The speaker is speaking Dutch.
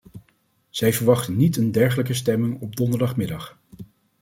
Zij verwachten niet een dergelijke stemming op donderdagmiddag.